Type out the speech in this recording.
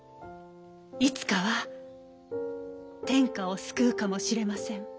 いつかは天下を救うかもしれません。